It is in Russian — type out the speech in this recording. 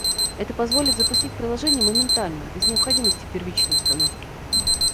Это позволит запустить приложение моментально, без необходимости первичной установки